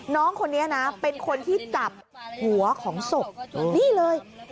น้องคนนี้นะเป็นคนที่จับหัวของศพนี่เลย